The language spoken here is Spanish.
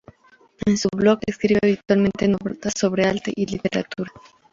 En su blog escribe habitualmente notas sobre arte y literatura.